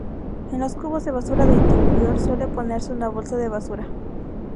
En los cubos de basura de interior suele ponerse una bolsa de basura.